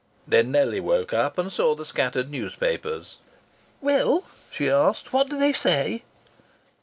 Then Nellie woke up and saw the scattered newspapers. "Well," she asked, "what do they say?"